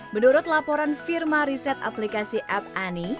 menurut laporan firma riset aplikasi ap ani